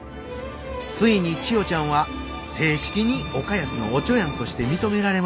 ついに千代ちゃんは正式に岡安のおちょやんとして認められました。